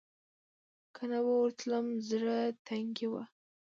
که نه به ورتلم زړه تنګۍ و.